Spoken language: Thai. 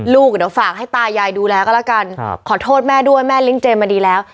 ลูกเดี๋ยวฝากให้ตายายดูแลก็แล้วกันขอโทษแม่ด้วยแม่เลี้ยงเจมมาดีแล้ว